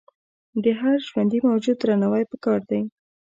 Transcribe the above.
د هر ژوندي موجود درناوی پکار دی.